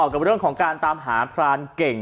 กับเรื่องของการตามหาพรานเก่ง